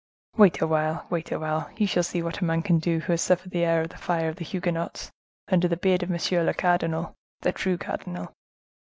Wait awhile! wait awhile! you shall see what a man can do who has suffered the air of the fire of the Huguenots, under the beard of monsieur le cardinal—the true cardinal."